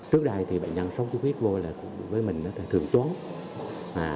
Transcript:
trước đây thì bệnh nhân sốt xuất huyết vô là với mình thường trốn